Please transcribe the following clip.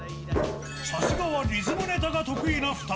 さすがはリズムネタが得意な２人。